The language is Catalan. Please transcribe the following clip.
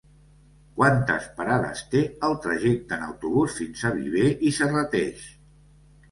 Quantes parades té el trajecte en autobús fins a Viver i Serrateix?